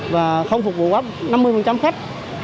và không phục vụ năm mươi khách